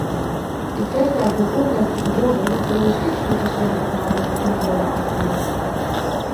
Ik kreeg daar ten onrechte te horen dat alleen schriftelijke stemverklaringen konden worden afgelegd.